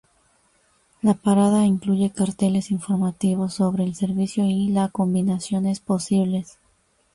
La parada incluye carteles informativos sobre el servicio y la combinaciones posibles.